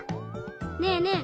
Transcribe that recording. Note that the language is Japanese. ねえねえ。